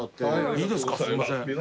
いいですかすいません。